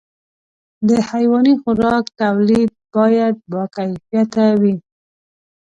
د حيواني خوراک توليد باید باکیفیته وي.